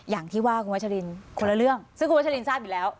อย่างที่ว่าคุณวัชลินคนละเรื่องซึ่งคุณวัชลินทราบอยู่แล้ว